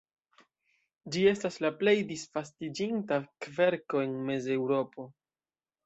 Ĝi estas la plej disvastiĝinta kverko en Mezeŭropo.